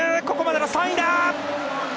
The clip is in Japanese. ここまでの３位だ！